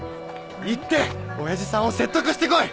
行って親父さんを説得して来い！